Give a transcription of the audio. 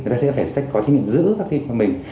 người ta sẽ phải có chứng nhận giữ vaccine cho mình